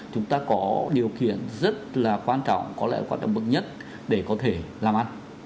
chúng ta có điều kiện rất là quan trọng có lẽ quan trọng bậc nhất để có thể làm ăn